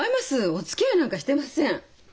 おつきあいなんかしてません。